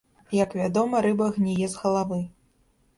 Як вядома, рыба гніе з галавы.